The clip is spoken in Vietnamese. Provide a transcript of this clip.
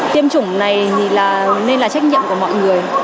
tiêm chủng này nên là trách nhiệm của mọi người